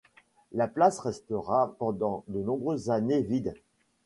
La place restera pendant de nombreuses années vide.